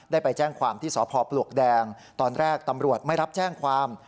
ไปแจ้งความที่สพปลวกแดงตอนแรกตำรวจไม่รับแจ้งความ